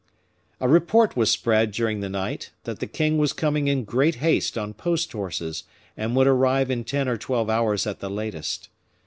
A report was spread during the night, that the king was coming in great haste on post horses, and would arrive in ten or twelve hours at the latest.